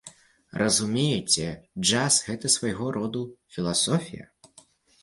Разумееце, джаз, гэта свайго роду філасофія!